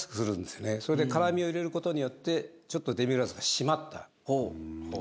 それで辛みを入れる事によってちょっとデミグラスが締まった。